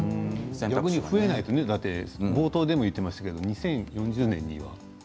逆に増えないとね冒頭でも言っていましたけど２０４０年には。